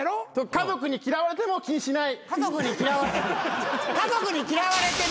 家族に嫌われてるけど気にしてない。